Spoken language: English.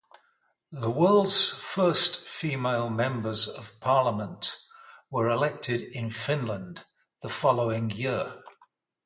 The world's first female members of parliament were elected in Finland the following year.